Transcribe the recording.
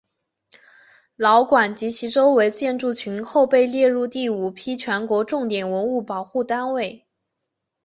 老馆及其周围的建筑群后被列入第五批全国重点文物保护单位。